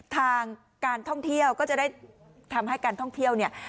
ทางการท่องเที่ยวก็จะได้ทำให้การท่องเที่ยวเนี่ย